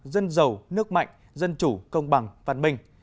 dân giàu nước mạnh dân chủ công bằng văn minh